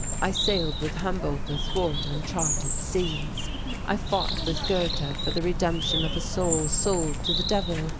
I sailed with Humboldt athwart uncharted seas. I fought with Goethe for the redemption of a soul sold to the Devil.